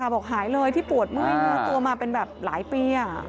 บอกหายเลยที่ปวดเมื่อยเนื้อตัวมาเป็นแบบหลายปี